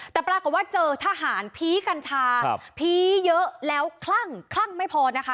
แต่ปรากฏว่าเจอทหารผีกัญชาผีเยอะแล้วคลั่งคลั่งไม่พอนะคะ